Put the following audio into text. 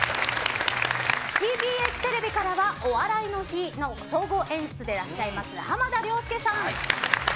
ＴＢＳテレビからはお笑いの日の総合演出でいらっしゃる浜田諒介さん。